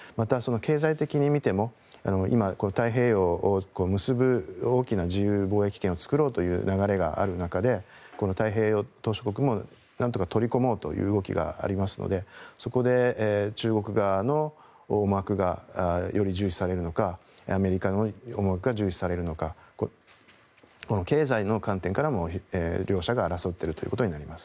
経済的に見ても今、太平洋を結ぶ大きな自由貿易圏を作ろうという流れがある中でこの太平洋島しょ国もなんとか取り込もうという動きがありますのでそこで中国側の思惑がより重視されるのかアメリカの思惑が重視されるのかこの経済の観点からも両者が争っていることになります。